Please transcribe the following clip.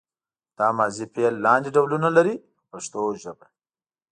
دا ماضي فعل لاندې ډولونه لري په پښتو ژبه.